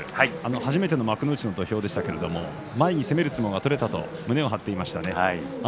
初めての幕内の土俵でしたが前に出る相撲が取れたと胸を張っていました。